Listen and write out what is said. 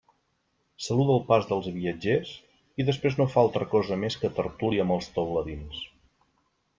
Saluda el pas dels viatgers i després no fa altra cosa més que tertúlia amb els teuladins.